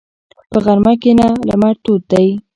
په غرمه کښېنه، لمر تود دی.